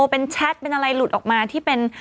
เป็นแชทเป็นอะไรหลุดออกมาที่เป็น